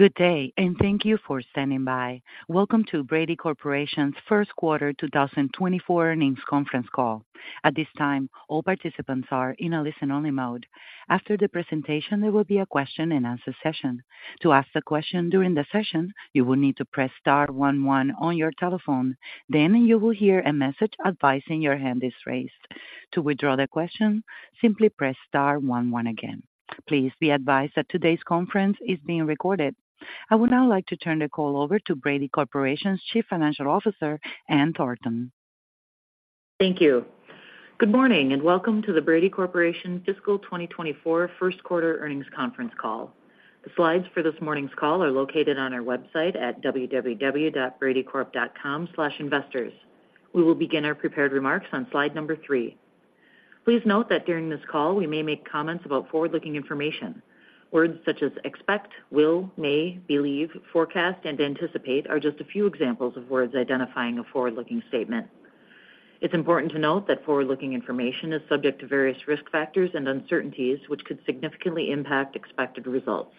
Good day, and thank you for standing by. Welcome to Brady Corporation's Q1 2024 earnings conference call. At this time, all participants are in a listen-only mode. After the presentation, there will be a question-and-answer session. To ask a question during the session, you will need to press star one one on your telephone. Then you will hear a message advising your hand is raised. To withdraw the question, simply press star one one again. Please be advised that today's conference is being recorded. I would now like to turn the call over to Brady Corporation's Chief Financial Officer, Ann Thornton. Thank you. Good morning, and welcome to the Brady Corporation Fiscal 2024 Q1 earnings conference call. The slides for this morning's call are located on our website at www.bradycorp.com/investors. We will begin our prepared remarks on slide number three. Please note that during this call, we may make comments about forward-looking information. Words such as expect, will, may, believe, forecast, and anticipate are just a few examples of words identifying a forward-looking statement. It's important to note that forward-looking information is subject to various risk factors and uncertainties, which could significantly impact expected results.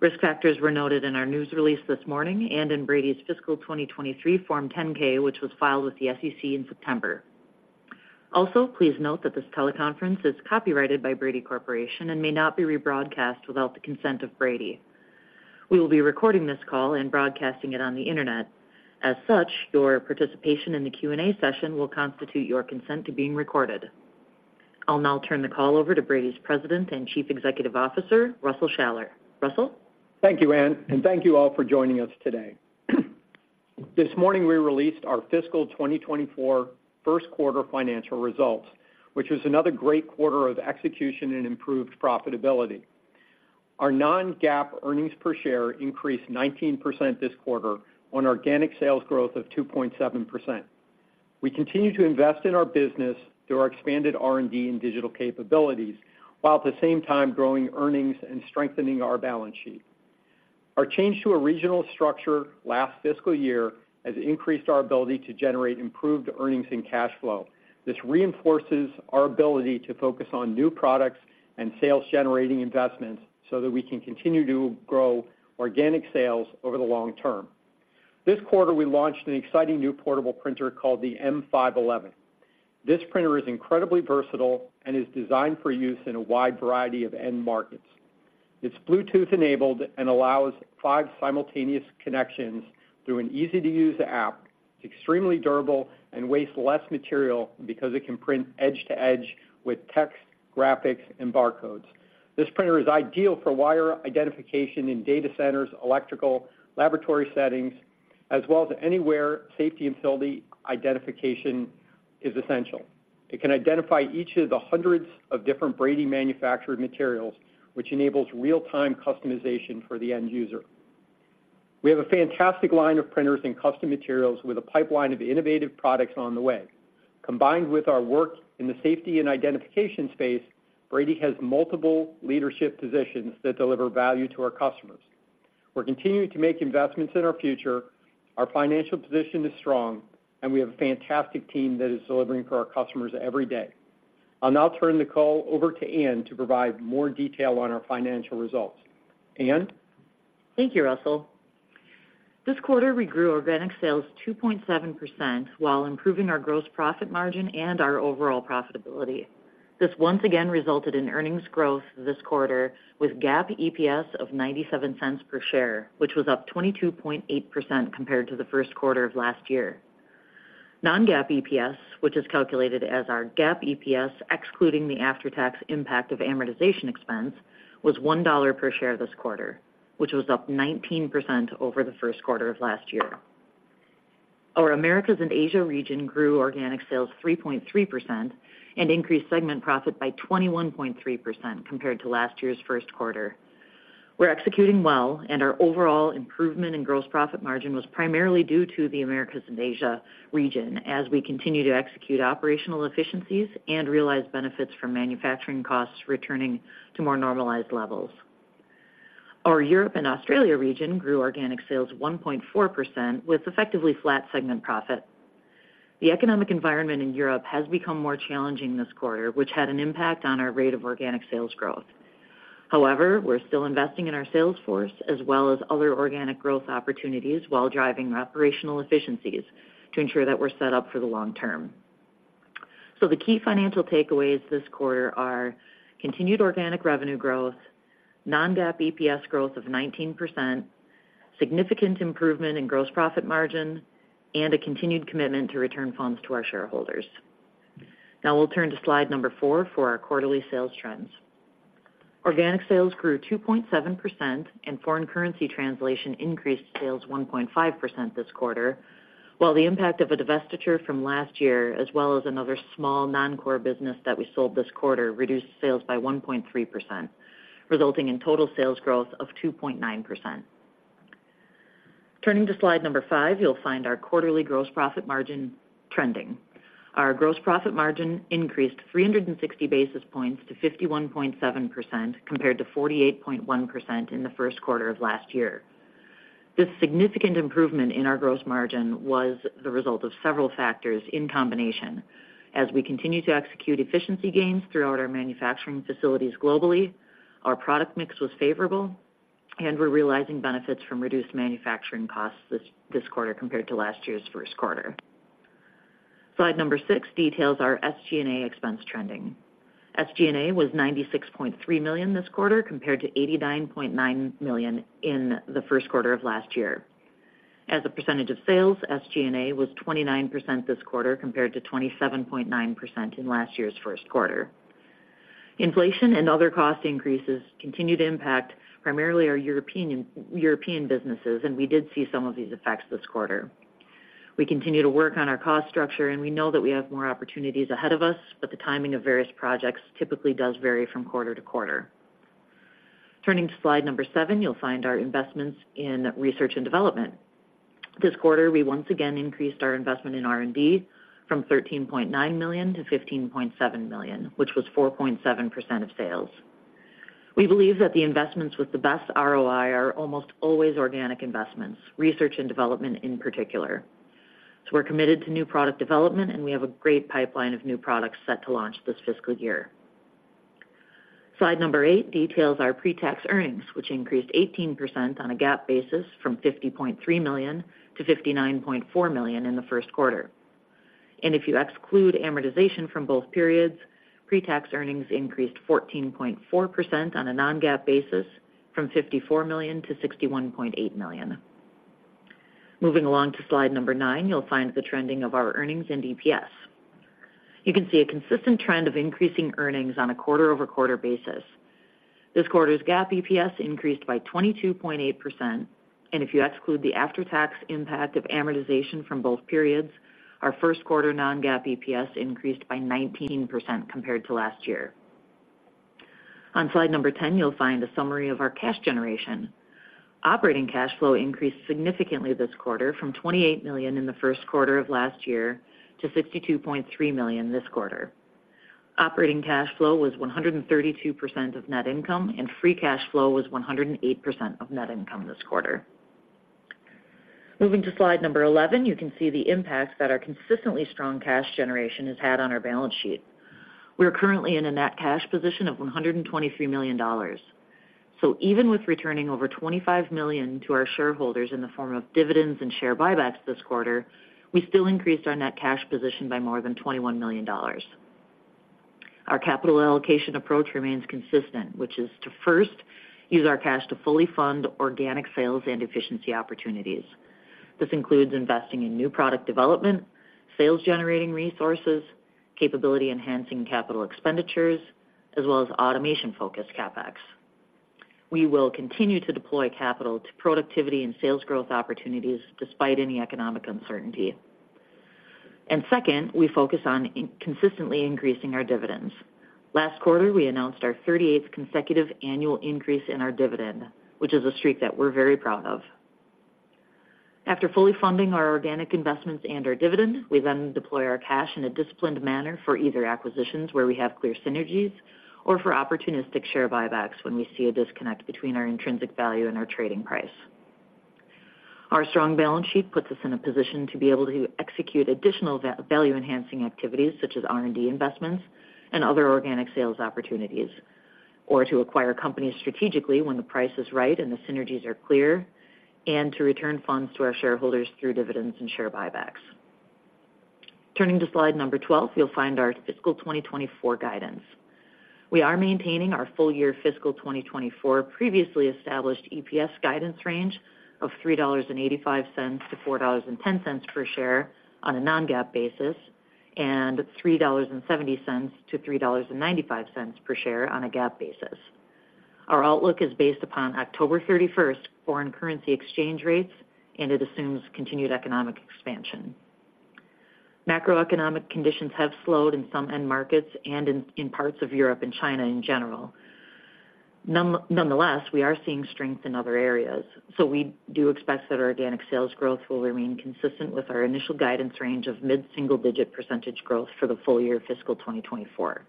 Risk factors were noted in our news release this morning and in Brady's fiscal 2023 Form 10-K, which was filed with the SEC in September. Also, please note that this teleconference is copyrighted by Brady Corporation and may not be rebroadcast without the consent of Brady. We will be recording this call and broadcasting it on the Internet. As such, your participation in the Q&A session will constitute your consent to being recorded. I'll now turn the call over to Brady's President and Chief Executive Officer, Russell Shaller. Russell? Thank you, Ann, and thank you all for joining us today. This morning, we released our fiscal 2024 Q1 financial results, which was another great quarter of execution and improved profitability. Our non-GAAP earnings per share increased 19% this quarter on organic sales growth of 2.7%. We continue to invest in our business through our expanded R&D and digital capabilities, while at the same time growing earnings and strengthening our balance sheet. Our change to a regional structure last fiscal year has increased our ability to generate improved earnings and cash flow. This reinforces our ability to focus on new products and sales-generating investments so that we can continue to grow organic sales over the long term. This quarter, we launched an exciting new portable printer called the M511. This printer is incredibly versatile and is designed for use in a wide variety of end markets. It's Bluetooth-enabled and allows five simultaneous connections through an easy-to-use app, extremely durable, and wastes less material because it can print edge to edge with text, graphics, and barcodes. This printer is ideal for wire identification in data centers, electrical, laboratory settings, as well as anywhere safety and facility identification is essential. It can identify each of the hundreds of different Brady-manufactured materials, which enables real-time customization for the end user. We have a fantastic line of printers and custom materials with a pipeline of innovative products on the way. Combined with our work in the safety and identification space, Brady has multiple leadership positions that deliver value to our customers. We're continuing to make investments in our future, our financial position is strong, and we have a fantastic team that is delivering for our customers every day. I'll now turn the call over to Ann to provide more detail on our financial results. Ann? Thank you, Russell. This quarter, we grew organic sales 2.7% while improving our gross profit margin and our overall profitability. This once again resulted in earnings growth this quarter with GAAP EPS of $0.97 per share, which was up 22.8% compared to the Q1 of last year. Non-GAAP EPS, which is calculated as our GAAP EPS, excluding the after-tax impact of amortization expense, was $1 per share this quarter, which was up 19% over the Q1 of last year. Our Americas and Asia region grew organic sales 3.3% and increased segment profit by 21.3% compared to last year's Q1. We're executing well, and our overall improvement in gross profit margin was primarily due to the Americas and Asia region, as we continue to execute operational efficiencies and realize benefits from manufacturing costs returning to more normalized levels. Our Europe and Australia region grew organic sales 1.4%, with effectively flat segment profit. The economic environment in Europe has become more challenging this quarter, which had an impact on our rate of organic sales growth. However, we're still investing in our sales force as well as other organic growth opportunities, while driving operational efficiencies to ensure that we're set up for the long term. So the key financial takeaways this quarter are continued organic revenue growth, non-GAAP EPS growth of 19%, significant improvement in gross profit margin, and a continued commitment to return funds to our shareholders. Now we'll turn to slide four for our quarterly sales trends. Organic sales grew 2.7%, and foreign currency translation increased sales 1.5% this quarter, while the impact of a divestiture from last year, as well as another small, non-core business that we sold this quarter, reduced sales by 1.3%, resulting in total sales growth of 2.9%. Turning to slide five, you'll find our quarterly gross profit margin trending. Our gross profit margin increased 360 basis points to 51.7%, compared to 48.1% in the Q1 of last year. This significant improvement in our gross margin was the result of several factors in combination. As we continue to execute efficiency gains throughout our manufacturing facilities globally, our product mix was favorable, and we're realizing benefits from reduced manufacturing costs this quarter compared to last year's Q1. Slide six details our SG&A expense trending. SG&A was $96.3 million this quarter, compared to $89.9 million in the Q1 of last year. As a percentage of sales, SG&A was 29% this quarter, compared to 27.9% in last year's Q1. Inflation and other cost increases continue to impact primarily our European businesses, and we did see some of these effects this quarter. We continue to work on our cost structure, and we know that we have more opportunities ahead of us, but the timing of various projects typically does vary from quarter to quarter. Turning to slide seven, you'll find our investments in research and development. This quarter, we once again increased our investment in R&D from $13.9 million to $15.7 million, which was 4.7% of sales. We believe that the investments with the best ROI are almost always organic investments, research and development in particular. So we're committed to new product development, and we have a great pipeline of new products set to launch this fiscal year. Slide eight details our pre-tax earnings, which increased 18% on a GAAP basis from $50.3 million-$59.4 million in the Q1. And if you exclude amortization from both periods, pre-tax earnings increased 14.4% on a non-GAAP basis from $54 million-$61.8 million. Moving along to slide nine you'll find the trending of our earnings and EPS. You can see a consistent trend of increasing earnings on a quarter-over-quarter basis. This quarter's GAAP EPS increased by 22.8%, and if you exclude the after-tax impact of amortization from both periods, our Q1 non-GAAP EPS increased by 19% compared to last year. On slide 10, you'll find a summary of our cash generation. Operating cash flow increased significantly this quarter from $28 million in the Q1 of last year to $62.3 million this quarter. Operating cash flow was 132% of net income, and free cash flow was 108% of net income this quarter. Moving to slide 11, you can see the impacts that our consistently strong cash generation has had on our balance sheet. We are currently in a net cash position of $123 million. So even with returning over $25 million to our shareholders in the form of dividends and share buybacks this quarter, we still increased our net cash position by more than $21 million. Our capital allocation approach remains consistent, which is to first use our cash to fully fund organic sales and efficiency opportunities. This includes investing in new product development, sales-generating resources, capability-enhancing capital expenditures, as well as automation-focused CapEx. We will continue to deploy capital to productivity and sales growth opportunities despite any economic uncertainty. And second, we focus on consistently increasing our dividends. Last quarter, we announced our 38th consecutive annual increase in our dividend, which is a streak that we're very proud of. After fully funding our organic investments and our dividend, we then deploy our cash in a disciplined manner for either acquisitions where we have clear synergies or for opportunistic share buybacks when we see a disconnect between our intrinsic value and our trading price. Our strong balance sheet puts us in a position to be able to execute additional value-enhancing activities, such as R&D investments and other organic sales opportunities, or to acquire companies strategically when the price is right and the synergies are clear, and to return funds to our shareholders through dividends and share buybacks. Turning to slide number 12, you'll find our fiscal 2024 guidance. We are maintaining our full-year fiscal 2024 previously established EPS guidance range of $3.85-$4.10 per share on a non-GAAP basis and $3.70-$3.95 per share on a GAAP basis. Our outlook is based upon October 31 foreign currency exchange rates, and it assumes continued economic expansion. Macroeconomic conditions have slowed in some end markets and in parts of Europe and China in general. Nonetheless, we are seeing strength in other areas, so we do expect that our organic sales growth will remain consistent with our initial guidance range of mid-single-digit % growth for the full year fiscal 2024.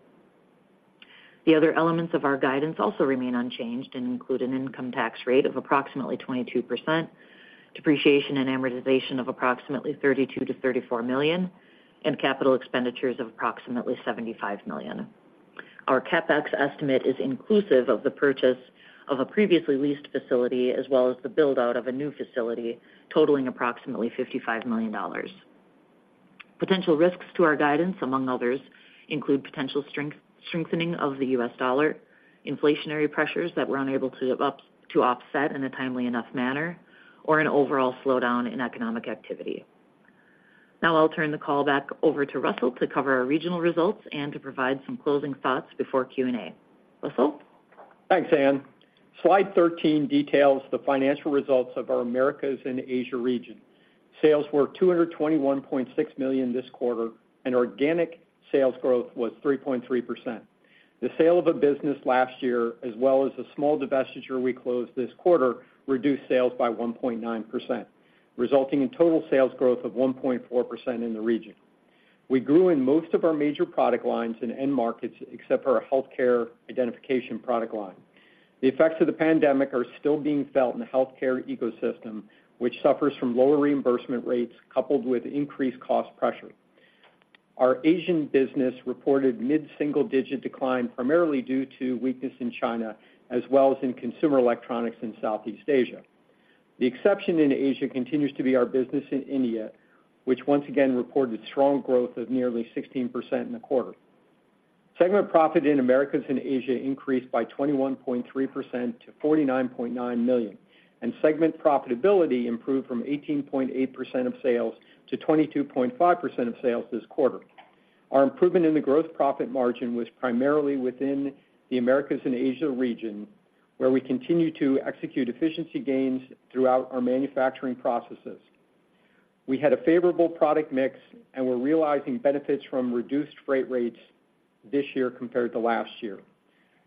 The other elements of our guidance also remain unchanged and include an income tax rate of approximately 22%, depreciation and amortization of approximately $32-$34 million, and capital expenditures of approximately $75 million. Our CapEx estimate is inclusive of the purchase of a previously leased facility, as well as the build-out of a new facility, totaling approximately $55 million. Potential risks to our guidance, among others, include potential strengthening of the US dollar, inflationary pressures that we're unable to to offset in a timely enough manner, or an overall slowdown in economic activity. Now I'll turn the call back over to Russell to cover our regional results and to provide some closing thoughts before Q&A. Russell? Thanks, Ann. Slide 13 details the financial results of our Americas and Asia region. Sales were $221.6 million this quarter, and organic sales growth was 3.3%. The sale of a business last year, as well as a small divestiture we closed this quarter, reduced sales by 1.9%, resulting in total sales growth of 1.4% in the region. We grew in most of our major product lines and end markets, except for our healthcare identification product line. The effects of the pandemic are still being felt in the healthcare ecosystem, which suffers from lower reimbursement rates, coupled with increased cost pressure. Our Asian business reported mid-single-digit decline, primarily due to weakness in China, as well as in consumer electronics in Southeast Asia. The exception in Asia continues to be our business in India, which once again reported strong growth of nearly 16% in the quarter. Segment profit in Americas and Asia increased by 21.3% to $49.9 million, and segment profitability improved from 18.8% of sales to 22.5% of sales this quarter. Our improvement in the gross profit margin was primarily within the Americas and Asia region, where we continue to execute efficiency gains throughout our manufacturing processes. We had a favorable product mix, and we're realizing benefits from reduced freight rates this year compared to last year.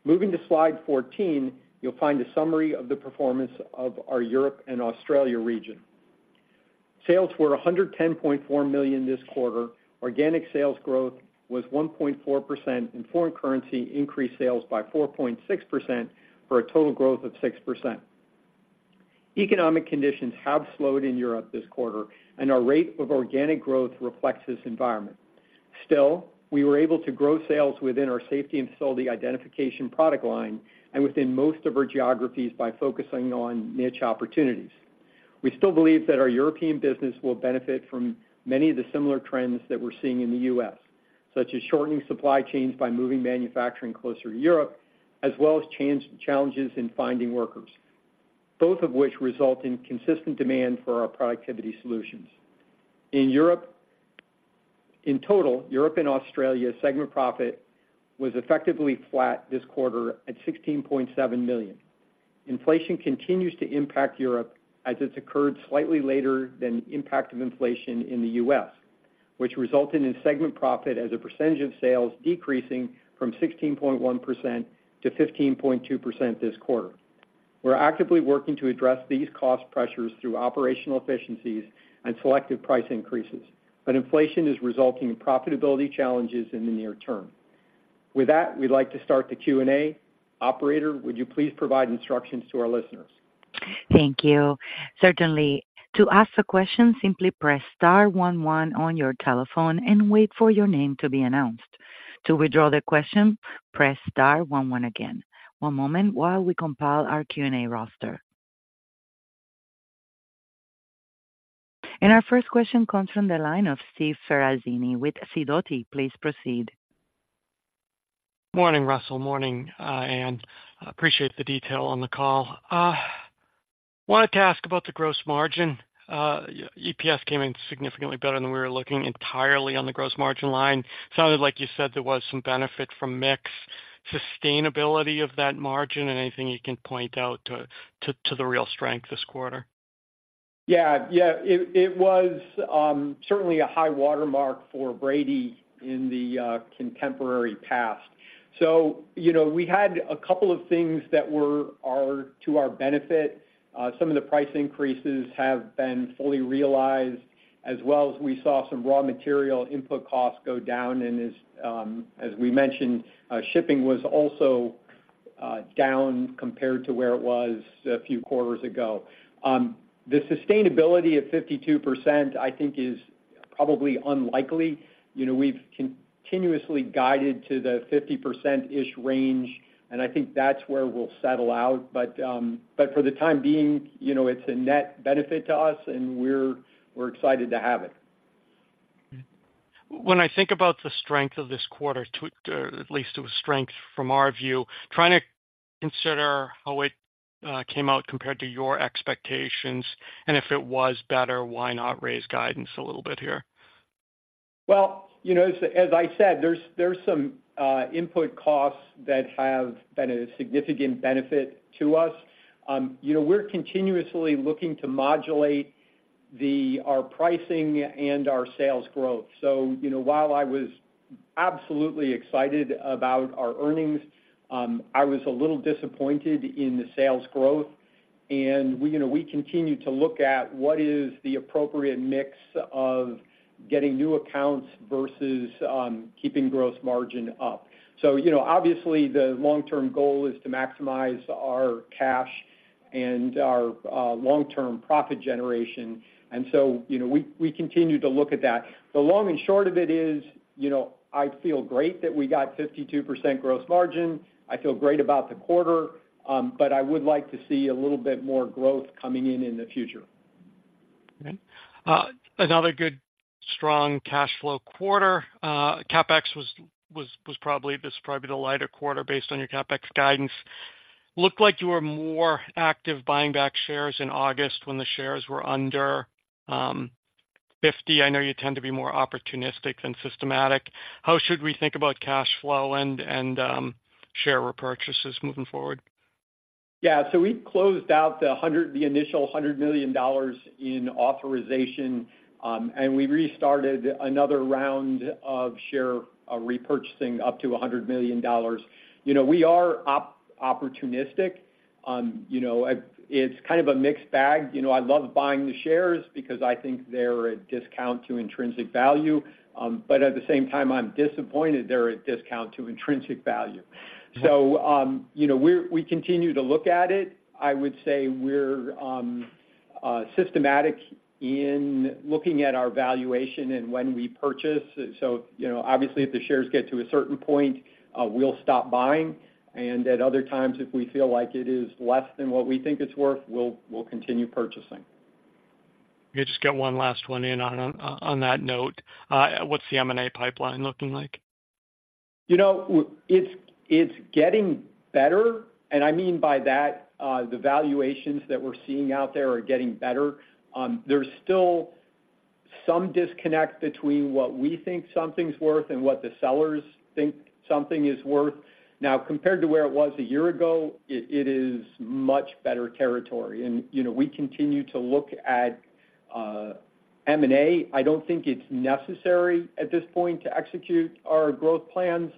Moving to slide 14, you'll find a summary of the performance of our Europe and Australia region. Sales were $110.4 million this quarter. Organic sales growth was 1.4%, and foreign currency increased sales by 4.6%, for a total growth of 6%. Economic conditions have slowed in Europe this quarter, and our rate of organic growth reflects this environment. Still, we were able to grow sales within our safety and facility identification product line and within most of our geographies by focusing on niche opportunities. We still believe that our European business will benefit from many of the similar trends that we're seeing in the U.S., such as shortening supply chains by moving manufacturing closer to Europe, as well as challenges in finding workers, both of which result in consistent demand for our productivity solutions. In Europe, in total, Europe and Australia segment profit was effectively flat this quarter at $16.7 million. Inflation continues to impact Europe as it's occurred slightly later than the impact of inflation in the U.S., which resulted in segment profit as a percentage of sales decreasing from 16.1%-15.2% this quarter. We're actively working to address these cost pressures through operational efficiencies and selective price increases, but inflation is resulting in profitability challenges in the near term. With that, we'd like to start the Q&A. Operator, would you please provide instructions to our listeners? Thank you. Certainly. To ask a question, simply press star one, one on your telephone and wait for your name to be announced. To withdraw the question, press star one, one again. One moment while we compile our Q&A roster. And our first question comes from the line of Steve Ferazani with Sidoti. Please proceed. Morning, Russell. Morning, Ann. Appreciate the detail on the call. Wanted to ask about the gross margin. EPS came in significantly better than we were looking entirely on the gross margin line. Sounded like you said there was some benefit from mix, sustainability of that margin, and anything you can point out to the real strength this quarter? Yeah. Yeah, it was certainly a high watermark for Brady in the contemporary past. So, you know, we had a couple of things that were to our benefit. Some of the price increases have been fully realized, as well as we saw some raw material input costs go down. And as we mentioned, shipping was also down compared to where it was a few quarters ago. The sustainability of 52%, I think, is probably unlikely. You know, we've continuously guided to the 50%ish range, and I think that's where we'll settle out. But, but for the time being, you know, it's a net benefit to us, and we're excited to have it. When I think about the strength of this quarter, at least it was strength from our view, trying to consider how it came out compared to your expectations, and if it was better, why not raise guidance a little bit here? Well, you know, as I said, there's some input costs that have been a significant benefit to us. You know, we're continuously looking to modulate our pricing and our sales growth. So, you know, while I was absolutely excited about our earnings, I was a little disappointed in the sales growth. And, you know, we continue to look at what is the appropriate mix of getting new accounts versus keeping gross margin up. So, you know, obviously, the long-term goal is to maximize our cash and our long-term profit generation. And so, you know, we continue to look at that. The long and short of it is, you know, I feel great that we got 52% gross margin. I feel great about the quarter, but I would like to see a little bit more growth coming in in the future. Okay. Another good, strong cash flow quarter. CapEx was probably, this is probably the lighter quarter based on your CapEx guidance. Looked like you were more active buying back shares in August when the shares were under $50. I know you tend to be more opportunistic than systematic. How should we think about cash flow and share repurchases moving forward? Yeah. So we closed out the initial $100 million in authorization, and we restarted another round of share repurchasing up to $100 million. You know, we are opportunistic. You know, it's kind of a mixed bag. You know, I love buying the shares because I think they're at discount to intrinsic value. But at the same time, I'm disappointed they're at discount to intrinsic value. So, you know, we continue to look at it. I would say we're systematic in looking at our valuation and when we purchase. So, you know, obviously, if the shares get to a certain point, we'll stop buying, and at other times, if we feel like it is less than what we think it's worth, we'll continue purchasing. Okay, just got one last one in on that note. What's the M&A pipeline looking like? You know, it's getting better, and I mean by that, the valuations that we're seeing out there are getting better. There's still some disconnect between what we think something's worth and what the sellers think something is worth. Now, compared to where it was a year ago, it is much better territory. And, you know, we continue to look at M&A. I don't think it's necessary at this point to execute our growth plans,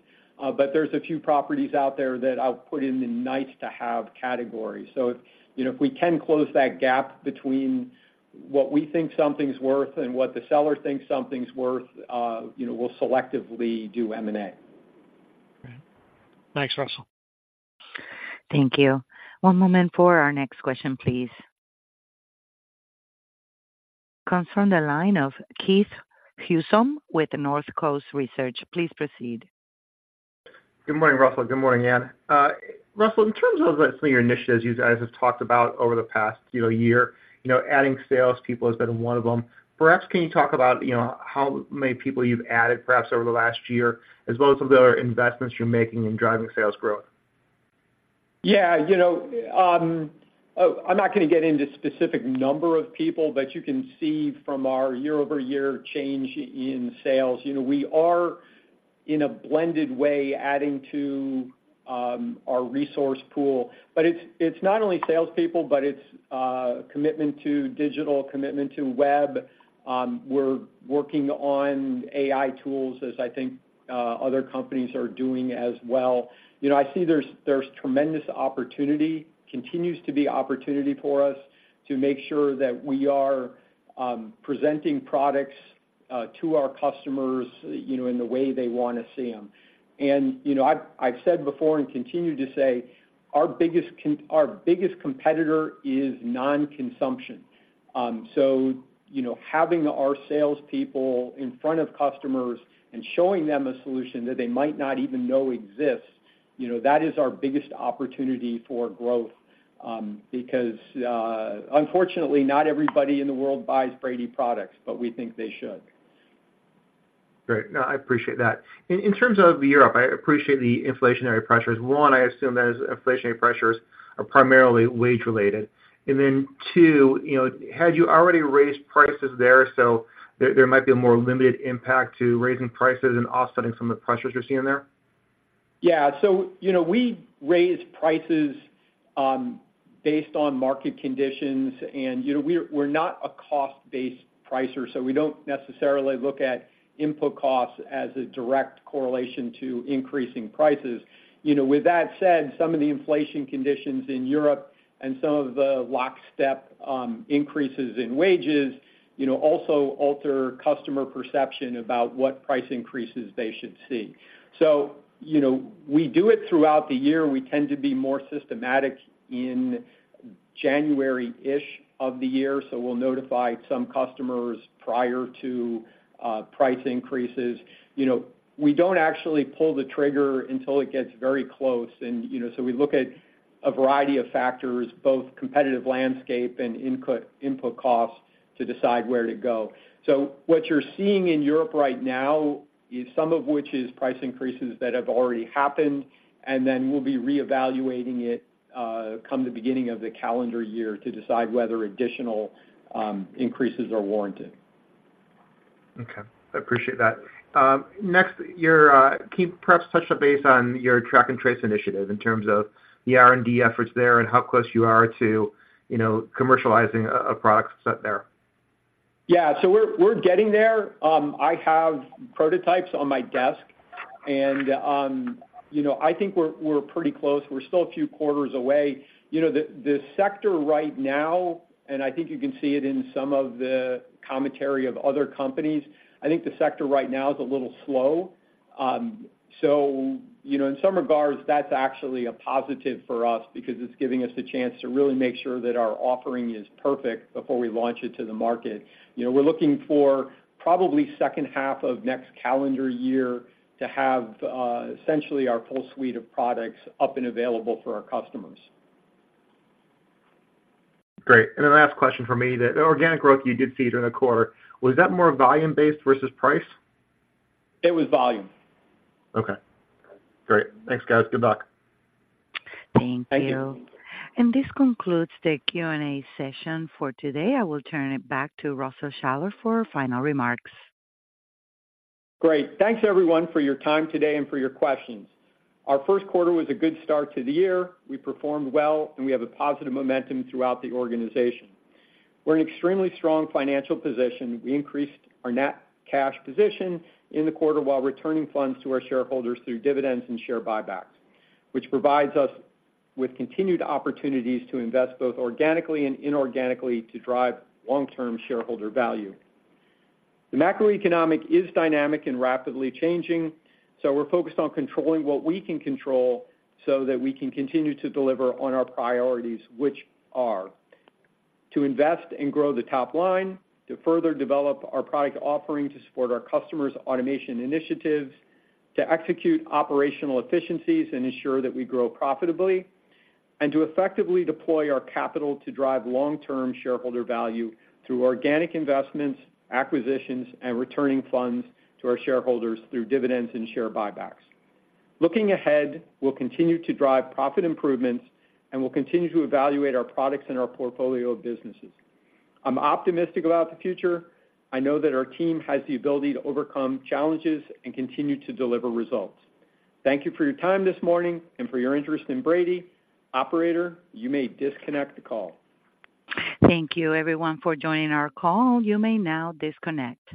but there's a few properties out there that I'll put in the nice-to-have category. So if, you know, if we can close that gap between what we think something's worth and what the seller thinks something's worth, you know, we'll selectively do M&A. Right. Thanks, Russell. Thank you. One moment for our next question, please. Comes from the line of Keith Housum with the North Coast Research. Please proceed. Good morning, Russell. Good morning, Ann. Russell, in terms of some of your initiatives you guys have talked about over the past, you know, year, you know, adding sales people has been one of them. Perhaps, can you talk about, you know, how many people you've added, perhaps over the last year, as well as some of the other investments you're making in driving sales growth? Yeah, you know, I'm not gonna get into specific number of people, but you can see from our year-over-year change in sales, you know, we are, in a blended way, adding to our resource pool. But it's, it's not only salespeople, but it's commitment to digital, commitment to web. We're working on AI tools, as I think other companies are doing as well. You know, I see there's, there's tremendous opportunity, continues to be opportunity for us to make sure that we are presenting products to our customers, you know, in the way they wanna see them. And, you know, I've said before and continue to say, our biggest competitor is non-consumption. So, you know, having our salespeople in front of customers and showing them a solution that they might not even know exists, you know, that is our biggest opportunity for growth, because, unfortunately, not everybody in the world buys Brady products, but we think they should. Great. No, I appreciate that. In terms of Europe, I appreciate the inflationary pressures. One, I assume those inflationary pressures are primarily wage-related. And then two, you know, had you already raised prices there, so there might be a more limited impact to raising prices and offsetting some of the pressures you're seeing there? Yeah. So, you know, we raise prices based on market conditions, and, you know, we're, we're not a cost-based pricer, so we don't necessarily look at input costs as a direct correlation to increasing prices. You know, with that said, some of the inflation conditions in Europe and some of the lockstep increases in wages, you know, also alter customer perception about what price increases they should see. So, you know, we do it throughout the year. We tend to be more systematic in January-ish of the year, so we'll notify some customers prior to price increases. You know, we don't actually pull the trigger until it gets very close and, you know, so we look at a variety of factors, both competitive landscape and input, input costs, to decide where to go. What you're seeing in Europe right now is some of which is price increases that have already happened, and then we'll be reevaluating it come the beginning of the calendar year to decide whether additional increases are warranted. Okay, I appreciate that. Next, can you perhaps touch base on your track and trace initiative in terms of the R&D efforts there and how close you are to, you know, commercializing a product set there? Yeah, so we're getting there. I have prototypes on my desk, and you know, I think we're pretty close. We're still a few quarters away. You know, the sector right now, and I think you can see it in some of the commentary of other companies, I think the sector right now is a little slow. So, you know, in some regards, that's actually a positive for us because it's giving us the chance to really make sure that our offering is perfect before we launch it to the market. You know, we're looking for probably second half of next calendar year to have essentially our full suite of products up and available for our customers. Great. And then last question for me, the organic growth you did see during the quarter, was that more volume-based versus price? It was volume. Okay, great. Thanks, guys. Good luck. Thank you. Thank you. This concludes the Q&A session for today. I will turn it back to Russell Shaller for final remarks. Great. Thanks, everyone, for your time today and for your questions. Our Q1 was a good start to the year. We performed well, and we have a positive momentum throughout the organization. We're in extremely strong financial position. We increased our net cash position in the quarter while returning funds to our shareholders through dividends and share buybacks, which provides us with continued opportunities to invest, both organically and inorganically, to drive long-term shareholder value. The macroeconomic is dynamic and rapidly changing, so we're focused on controlling what we can control so that we can continue to deliver on our priorities, which are: to invest and grow the top line, to further develop our product offering to support our customers' automation initiatives, to execute operational efficiencies and ensure that we grow profitably, and to effectively deploy our capital to drive long-term shareholder value through organic investments, acquisitions, and returning funds to our shareholders through dividends and share buybacks. Looking ahead, we'll continue to drive profit improvements, and we'll continue to evaluate our products and our portfolio of businesses. I'm optimistic about the future. I know that our team has the ability to overcome challenges and continue to deliver results. Thank you for your time this morning and for your interest in Brady. Operator, you may disconnect the call. Thank you, everyone, for joining our call. You may now disconnect.